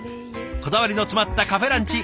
こだわりの詰まったカフェランチ